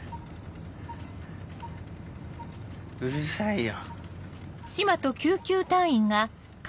うるさいよ。